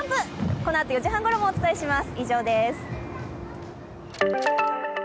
このあと４時半ごろもお伝えします。